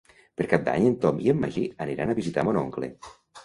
Per Cap d'Any en Tom i en Magí aniran a visitar mon oncle.